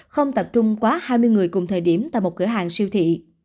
không tập trung quá hai mươi người cùng thời điểm tại một cửa hàng siêu thị